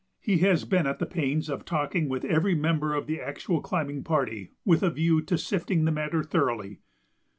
He has been at the pains of talking with every member of the actual climbing party with a view to sifting the matter thoroughly.